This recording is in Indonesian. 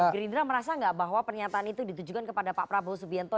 gerindra merasa nggak bahwa pernyataan itu ditujukan kepada pak prabowo subianto